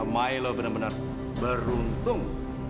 milo benar benar beruntung